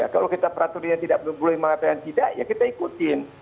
kalau kita peraturannya tidak boleh mengatakan tidak ya kita ikutin